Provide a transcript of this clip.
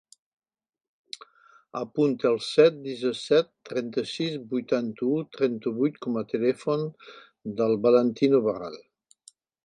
Apunta el set, disset, trenta-sis, vuitanta-u, trenta-vuit com a telèfon del Valentino Barral.